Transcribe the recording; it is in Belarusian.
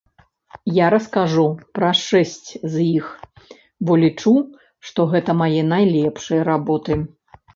Я раскажу пра шэсць з іх, бо лічу, што гэта мае найлепшыя работы.